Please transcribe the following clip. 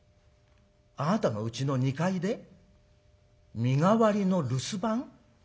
あなたのうちの２階で身代わりの留守番？